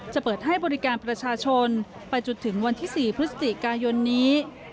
เปิดให้บริการประชาชนไปจนถึงวันที่๔พฤศจิกายนนี้